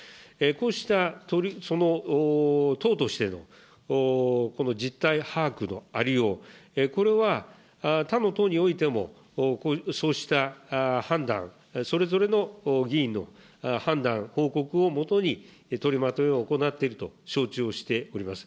こうした、その党としての、この実態把握のありよう、これは他の党においてもそうした判断、それぞれの議員の判断、報告を基に、取りまとめを行っていると承知をしております。